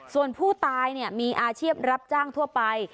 ส่วนผู้ตายมีอาชีพรับจ้างทั่วไป